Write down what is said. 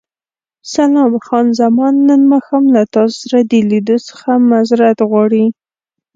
سلام، خان زمان نن ماښام له تاسو سره د لیدو څخه معذورت غواړي.